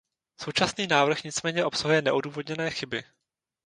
Současný návrh nicméně obsahuje neodůvodněné chyby.